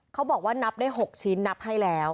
เขาบอกว่านับได้๖ชิ้นนับให้แล้ว